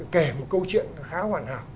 kể một câu chuyện khá hoàn hảo